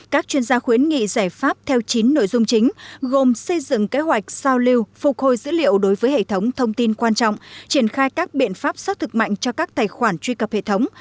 các chuyên gia khuyến nghị giải pháp theo chín nội dung chính gồm xây dựng kế hoạch giao lưu phục hồi dữ liệu đối với hệ thống thông tin quan trọng triển khai các biện pháp xác thực mạnh cho các tài khoản truy cập hệ thống